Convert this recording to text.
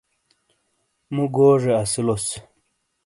مُو گوجے اسیلوس۔